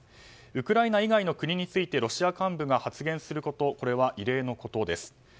ウクライナ以外の国についてロシア幹部が発言することこれは異例のことです。